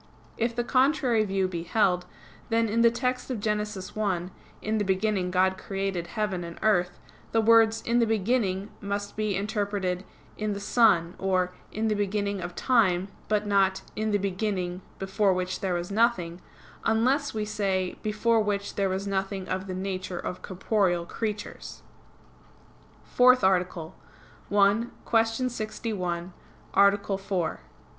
If the contrary view be held, then in the text of Gen. 1, "In the beginning God created heaven and earth," the words, "In the beginning," must be interpreted, "In the Son," or "In the beginning of time": but not, "In the beginning, before which there was nothing," unless we say "Before which there was nothing of the nature of corporeal creatures." _______________________ FOURTH ARTICLE [I, Q. 61, Art.